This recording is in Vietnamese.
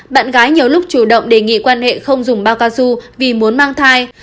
bạn gái nhiều lúc chủ động đề nghị quan hệ không dùng bao cao su vì muốn mang thai